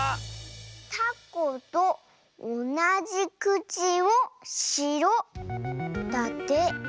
「たことおなじくちをしろ」だって。